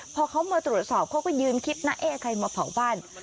พอเขามาตรวจสอบเขาก็ยืนคิดนะเอ๊ะใครมาเผาบ้าน